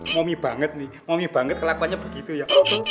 momi banget nih momi banget kelakuannya begitu ya